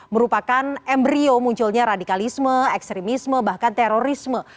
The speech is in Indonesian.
merupakan embryo munculnya radikalisme ekstremisme bahkan terorisme